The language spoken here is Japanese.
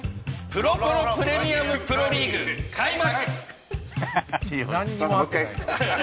プロポロプレミアムプロリーグ開幕！